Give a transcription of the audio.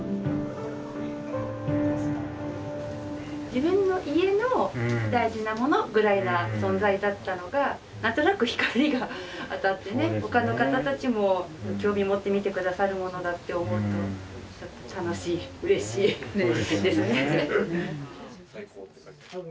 自分の家の大事なものぐらいな存在だったのが何となく光が当たってね他の方たちも興味を持って見て下さるものだって思うとちょっと楽しいうれしいですね。